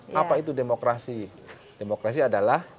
karena itu demokrasi demokrasi adalah